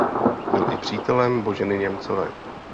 Byl i přítelem Boženy Němcové.